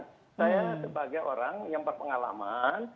saya sebagai orang yang berpengalaman